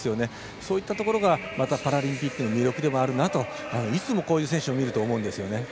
そういったところがパラリンピックの魅力でもあるなといつもこういう選手を見ると思うんですよね。